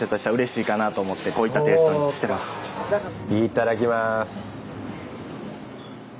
いただきます。